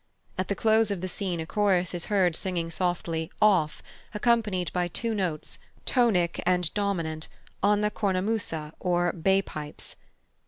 At the close of the scene a chorus is heard singing softly, "off," accompanied by two notes (tonic and dominant) on the cornamusa, or "bay pipes."